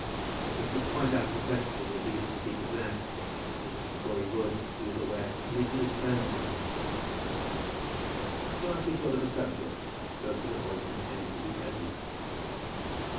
It was quite out of the question that he should speak of that, as Mr. Crawley would, he was well aware, immediately turn upon him. At last he thought of a subject, and spoke with a voice intended to be pleasant.